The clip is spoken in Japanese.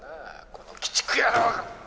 この鬼畜野郎が！